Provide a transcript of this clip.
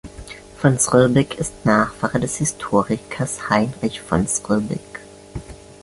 Von Srbik ist Nachfahre des Historikers Heinrich von Srbik.